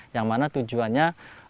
yang mana tujuannya